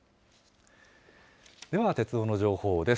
では鉄道の情報です。